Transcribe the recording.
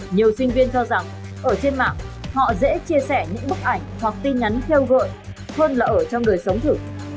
nhiều sinh viên cho rằng ở trên mạng họ dễ chia sẻ những bức ảnh hoặc tin nhắn theo vội hơn là ở trong đời sống thử